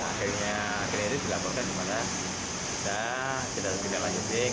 akhirnya akhirnya ini dilakukan karena kita tidak pedang asesin